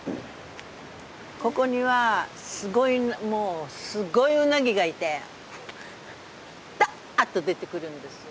ここにはすごいもうすごいウナギがいてダーッと出てくるんですよ。